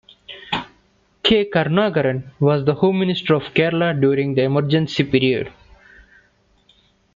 K. Karunakaran was the home minister of Kerala during the emergency period.